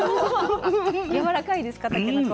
やわらかいですかたけのこ？